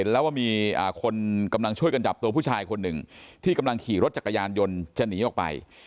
แล้วว่ามีคนกำลังช่วยกันจับตัวผู้ชายคนหนึ่งที่กำลังขี่รถจักรยานยนต์จะหนีออกไป